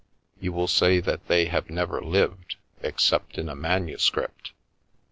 You will say that they have never lived, except in a manuscript " M.